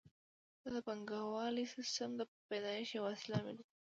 دا د پانګوالي سیسټم د پیدایښت یو اصلي لامل وو